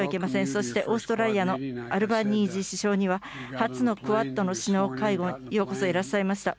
そしてオーストラリアのアルバニージー首相には、初のクアッドの首脳会合にようこそいらっしゃいました。